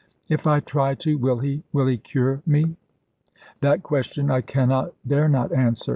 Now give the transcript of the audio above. "If I try to, will He will He cure met" "That question I cannot, dare not answer.